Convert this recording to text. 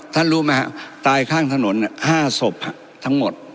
ท่านรู้ไหมฮะตายข้างถนนฮะห้าศพฮะทั้งหมด